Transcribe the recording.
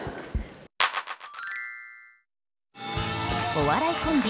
お笑いコンビ